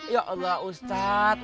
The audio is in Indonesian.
ya allah ustadz